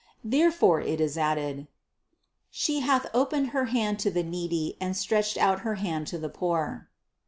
Therefore it is added : 790. "She hath opened her hand to the needy and stretched out her hand to the poor."